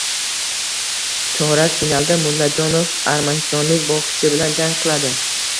Chorak finalda Mullajonov armanistonlik bokschi bilan jang qiladi